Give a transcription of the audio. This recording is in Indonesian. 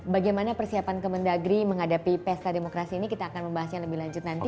bagaimana persiapan kemendagri menghadapi pesta demokrasi ini kita akan membahasnya lebih lanjut nanti